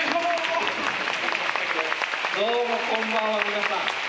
どうもこんばんは皆さん。